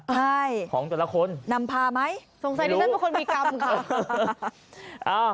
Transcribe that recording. ใช่ของแต่ละคนนำพาไหมสงสัยดิฉันเป็นคนมีกรรมค่ะ